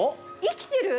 生きてる？